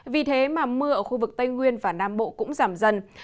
vì thế mà mưa ở khu vực tây nguyên và nam bộ cũng giảm dần